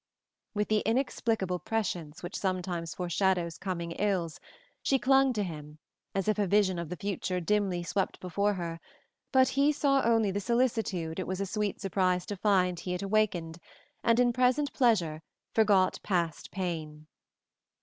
With the inexplicable prescience which sometimes foreshadows coming ills, she clung to him as if a vision of the future dimly swept before her, but he only saw the solicitude it was a sweet surprise to find he had awakened, and in present pleasure forgot past pain.